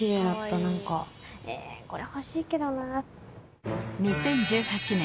これ欲しいけどな。